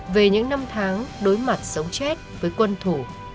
về những năm tháng đối mặt sống chết với quân thủ